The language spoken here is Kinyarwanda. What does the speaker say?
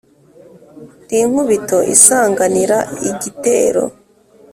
Ndi inkubito isanganira igitero,